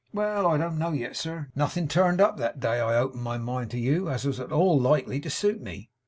'Well! I don't know yet, sir. Nothing turned up that day I opened my mind to you, as was at all likely to suit me.